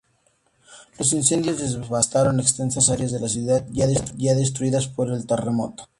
Los incendios devastaron extensas áreas de la ciudad ya destruidas por el terremoto.